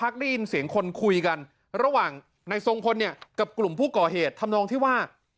คุยกันระหว่างในทรงพลเนี่ยกับกลุ่มผู้ก่อเหตุทำนองที่ว่า